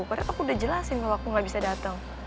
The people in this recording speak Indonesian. padahal aku udah jelasin kalau aku gak bisa datang